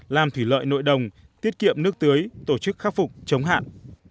làm thủy lợi nội đồng tiết kiệm nước tưới tổ chức khắc phục chống hạn